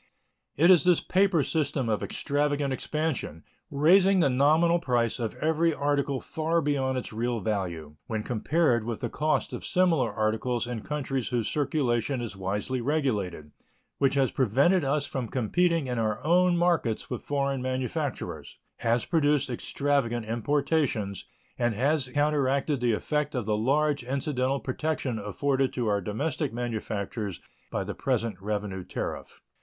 It is this paper system of extravagant expansion, raising the nominal price of every article far beyond its real value when compared with the cost of similar articles in countries whose circulation is wisely regulated, which has prevented us from competing in our own markets with foreign manufacturers, has produced extravagant importations, and has counteracted the effect of the large incidental protection afforded to our domestic manufactures by the present revenue tariff.